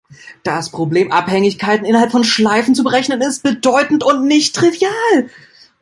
Das Problem, Abhängigkeiten innerhalb von Schleifen zu berechnen, ist bedeutend und nicht trivial.